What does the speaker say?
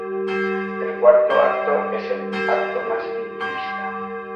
El cuarto acto es el acto más intimista.